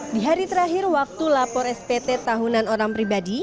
di hari terakhir waktu lapor spt tahunan orang pribadi